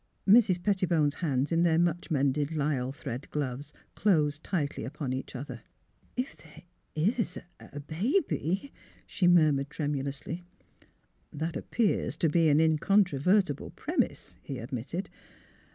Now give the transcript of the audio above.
" Mrs. Pettibone's hands in their much mended lisle thread gloves closed tightly upon each other. " If there is — a baby," she murmured, tremu lously. " That appears to be an incontrovertible prem ise," he admitted.